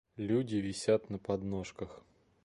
Люди висят на подножках.